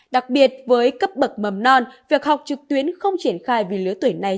đặc biệt với cấp bậc mầm non việc học trực tuyến không triển khai vì lứa tuổi này